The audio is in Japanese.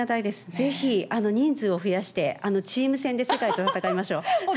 ぜひ、人数を増やして、チーム戦で世界と戦いましょう。